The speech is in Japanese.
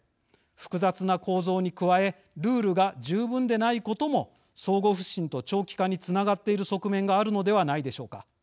複雑な構造に加えルールが十分でないことも相互不信と長期化につながっている側面があるのではないでしょうか。